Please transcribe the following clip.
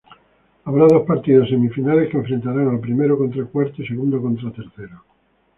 Habrá dos partidos semifinales que enfrentarán a primero contra cuarto y segundo contra tercero.